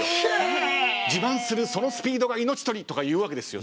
「自慢するそのスピードが命取り」とか言うわけですよ